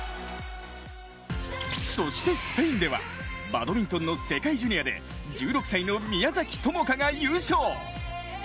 そしてスペインではバドミントンの世界ジュニアで１６歳の宮崎友花が優勝。